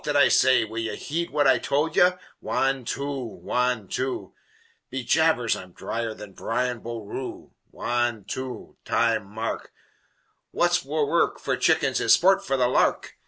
that I say Will ye heed what I told ye? Wan two Wan two! Be jabers, I'm dhryer than Brian Boru! Wan two! Time! Mark! What's wur ruk for chickens is sport for the lark!"